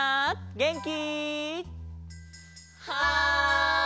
げんき！